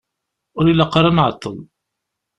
Ur ilaq ara ad nεeṭṭel.